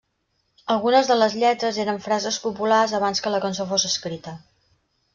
Algunes de les lletres eren frases populars abans que la cançó fos escrita.